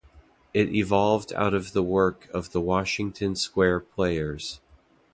It evolved out of the work of the Washington Square Players.